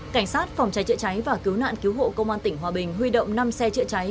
cảnh sát phòng trái trựa trái và cứu nạn cứu hộ công an tỉnh hòa bình huy động năm xe trựa trái